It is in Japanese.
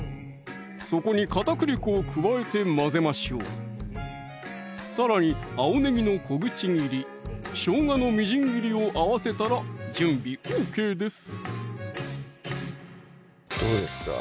そこに片栗粉を加えて混ぜましょうさらに青ねぎの小口切り・しょうがのみじん切りを合わせたら準備ＯＫです